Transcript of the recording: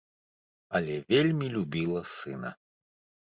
Але вельмі любіла сына.